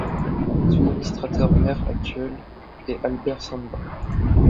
Son administrateur-maire actuel est Albert Samba.